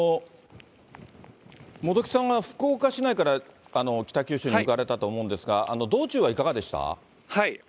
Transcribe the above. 元木さんは福岡市内から北九州に向かわれたと思うんですが、道中はいかがでした？